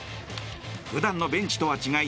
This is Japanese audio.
普段のベンチとは違い